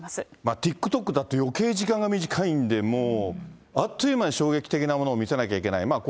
ＴｉｋＴｏｋだとよけい時間が短いんで、あっという間に衝撃的なものを見せなきゃいけない。